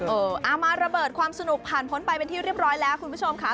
เอามาระเบิดความสนุกผ่านพ้นไปเป็นที่เรียบร้อยแล้วคุณผู้ชมค่ะ